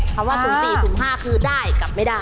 คำว่าสุ่ม๔สุ่ม๕คือได้กลับไม่ได้